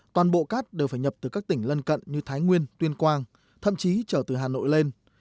toàn bộ cát đều phải nhập từ các tỉnh lân cận như thái nguyên tuyên quang thậm chí trở từ hà nội lên